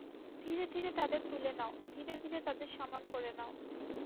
ধীরে ধীরে তাদের তুলে নাও, ধীরে ধীরে তাদের সমান করে নাও।